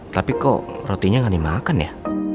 tapi kok rotinya gak dimakan ya